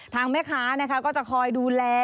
ทางแม่ค้าก็จะคอยดูแล